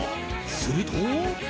すると。